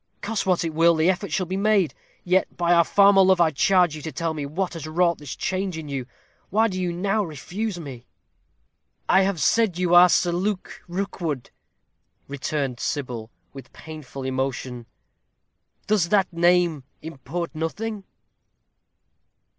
Cost what it will, the effort shall be made. Yet by our former love, I charge you tell me what has wrought this change in you! Why do you now refuse me?" "I have said you are Sir Luke Rookwood," returned Sybil, with painful emotion. "Does that name import nothing?"